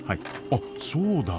あっそうだ。